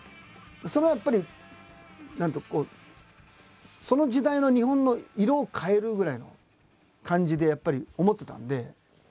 それはやっぱり何ていうかその時代の日本の色を変えるぐらいの感じでやっぱり思ってたんで。